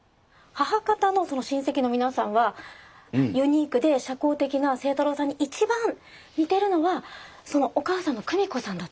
母方の親戚の皆さんはユニークで社交的な清太郎さんに一番似てるのはお母さんの久美子さんだと。